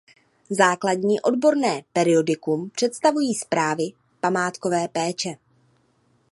Základní odborné periodikum představují Zprávy památkové péče.